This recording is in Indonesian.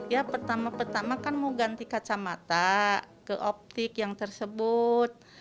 ya pertama pertama kan mau ganti kacamata ke optik yang tersebut